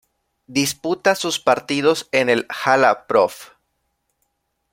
Disputa sus partidos en el "Hala prof.